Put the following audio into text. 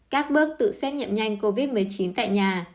các bước tự xét nghiệm nhanh covid một mươi chín tại nhà